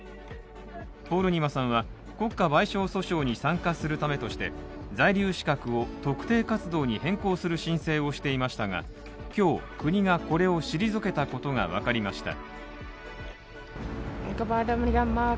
ポールニマさんは国家賠償訴訟に参加するためとして在留資格を特定活動に変更する申請をしていましたが今日、国がこれを退けたことが分かりました。